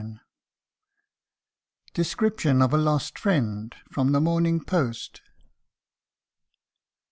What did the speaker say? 223 DESCRIPTION OF A LOST FRIEND. FROM THE MORNING POST.